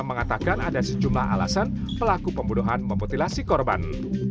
mengatakan ada sejumlah alasan pelaku pembunuhan memutilasi korban